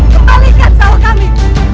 kembalikan salah kami